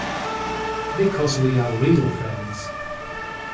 Because we are real friends.